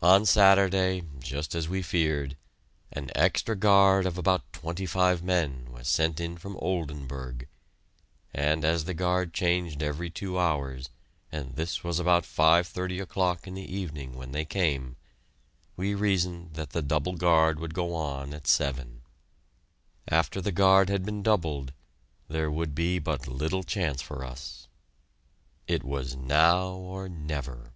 On Saturday, just as we feared, an extra guard of about twenty five men was sent in from Oldenburg, and as the guard changed every two hours, and this was about 5.30 o'clock in the evening when they came, we reasoned that the double guard would go on at seven. After the guard had been doubled, there would be but little chance for us. It was now or never!